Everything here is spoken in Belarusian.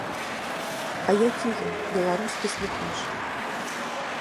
А які ён, беларускі слухач?